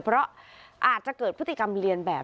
เพราะอาจจะเกิดพฤติกรรมเรียนแบบ